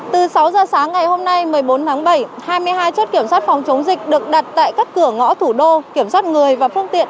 từ sáu giờ sáng ngày hôm nay một mươi bốn tháng bảy hai mươi hai chốt kiểm soát phòng chống dịch được đặt tại các cửa ngõ thủ đô kiểm soát người và phương tiện